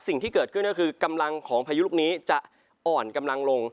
สิ่งที่เกิดขึ้นก็คือกำลังของพายุลูกนี้จะอ่อนกำลังลง